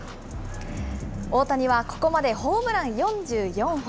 大谷はここまでホームラン４４本。